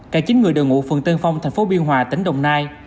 cả chín người đều ngụ phường tân phong thành phố biên hòa tỉnh đồng nai